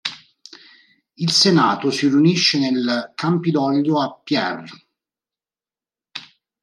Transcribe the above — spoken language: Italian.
Il Senato si riunisce nel Campidoglio a Pierre.